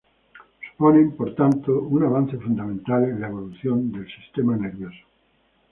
Suponen, por tanto, un avance fundamental en la evolución del sistema Nervioso.